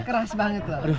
keras banget loh